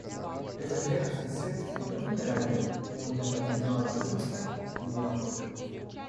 Этот лекарский сын не только не робел, он даже отвечал отрывисто и неохотно.